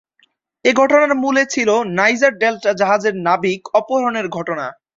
এ ঘটনার মূলে ছিল নাইজার ডেল্টা জাহাজের নাবিক অপহরণের ঘটনা।